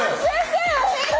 先生！